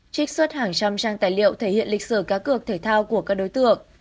trích xuất hàng trăm trang tài liệu thể hiện lịch sử cá cược thể thao của các đối tượng